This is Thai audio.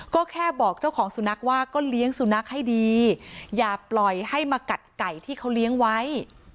ก็แค่บอกเจ้าของสุนัขว่าก็เลี้ยงสุนัขให้ดีอย่าปล่อยให้มากัดไก่ที่เขาเลี้ยงไว้